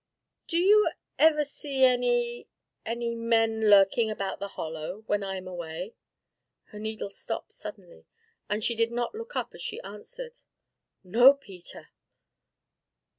"Do you ever see any any men lurking about the Hollow when I am away?" Her needle stopped suddenly, and she did not look up as she answered: "No, Peter!"